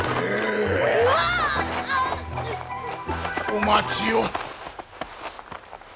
お待ちを。